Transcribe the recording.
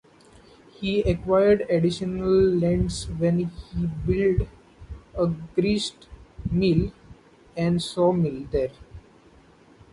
He acquired additional lands when he built a grist mill and sawmill there.